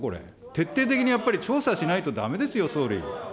徹底的にやっぱり調査しないとだめですよ、総理。